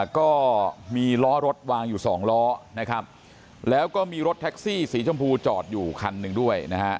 ก็มีล้อรถวางอยู่สองล้อนะครับแล้วก็มีรถแท็กซี่สีชมพูจอดอยู่คันหนึ่งด้วยนะฮะ